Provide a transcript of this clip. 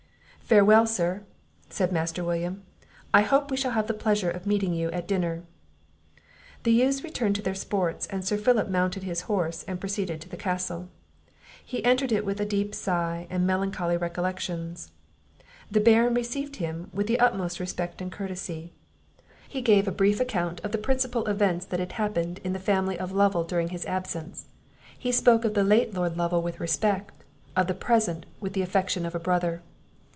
"Farewell, Sir," said Master William; "I hope we shall have the pleasure of meeting you at dinner." The youths returned to their sports, and Sir Philip mounted his horse and proceeded to the castle; he entered it with a deep sigh, and melancholy recollections. The Baron received him with the utmost respect and courtesy. He gave a brief account of the principal events that had happened in the family of Lovel during his absence; he spoke of the late Lord Lovel with respect, of the present with the affection of a brother.